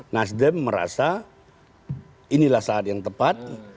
nasdem merasa inilah saat yang tepat